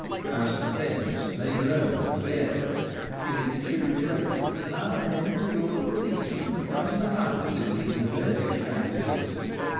As for the tenants, they groan and bear it. • It is to be regretted that n0w and then the rural policeman becomes an accomplice in these nefarious practices.